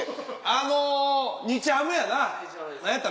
あの日ハムやな何やった？